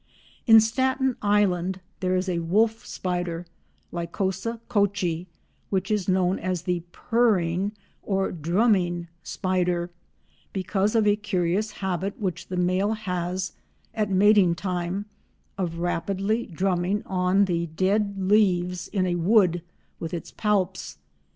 ] In Staten Island there is a wolf spider—Lycosa kochi—which is known as the "purring" or "drumming" spider because of a curious habit which the male has, at mating time, of rapidly drumming on the dead leaves in a wood with its palps.